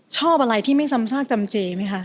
ชอบอะไรที่ไม่ซ้ำซากจำเจไหมคะ